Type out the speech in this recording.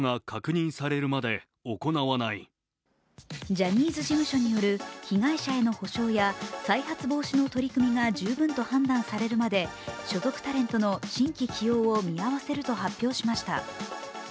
ジャニーズ事務所による被害者への補償や再発防止の取り組みが十分と判断されるまで所属タレントの新規起用を見合わせると発表しました。